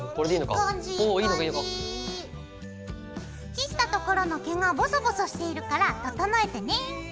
切ったところの毛がボソボソしているから整えてね。